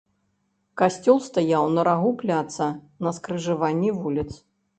Касцёл стаяў на рагу пляца, на скрыжаванні вуліц.